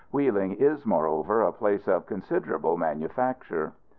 Wheeling is, moreover, a place of considerable manufacture.